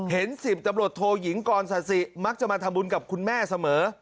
๑๐ตำรวจโทยิงกรศาสิมักจะมาทำบุญกับคุณแม่เสมอ